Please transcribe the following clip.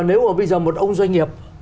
nếu mà bây giờ một ông doanh nghiệp